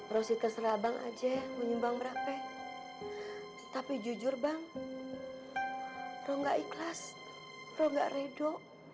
rosita serabang aja menyumbang berapa tapi jujur bang roh gak ikhlas roh gak redo